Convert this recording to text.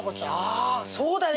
そうだね。